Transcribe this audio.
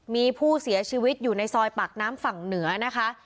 มีผู้เสียชีวิตอยู่ในซอยปากน้ำฝั่งเหนือนะคะ